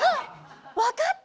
わかった！